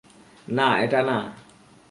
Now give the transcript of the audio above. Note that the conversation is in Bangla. না, এটা না।